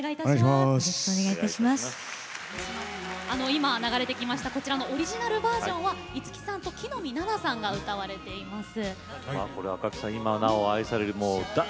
今、流れてきましたこちらのオリジナルバージョンは五木さんと木の実ナナさんが歌われていました。